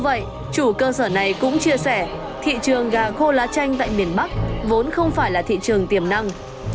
vậy chủ cơ sở này cũng chia sẻ thị trường gà khô lá chanh tại miền bắc vốn không phải là thị trường tiềm năng